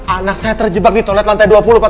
anak saya terjebak di toilet lantai dua puluh pak